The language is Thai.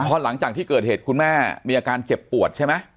พอหลังจากที่เกิดเหตุคุณแม่มีอาการเจ็บปวดใช่ไหม